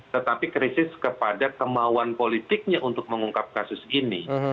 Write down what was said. tetapi krisis kepada kemauan politiknya untuk mengungkap kasus ini